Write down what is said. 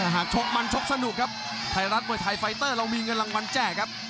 ชกมันชกสนุกครับไทยรัฐมวยไทยไฟเตอร์เรามีเงินรางวัลแจกครับ